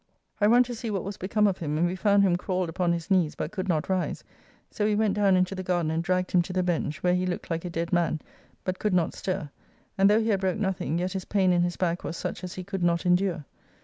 I run to see what was become of him, and we found him crawled upon his knees, but could not rise; so we went down into the garden and dragged him to the bench, where he looked like a dead man, but could not stir; and, though he had broke nothing, yet his pain in his back was such as he could not endure.